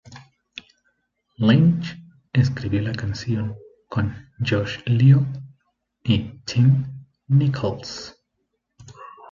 Lynch escribió la canción con Josh Leo y Tim Nichols.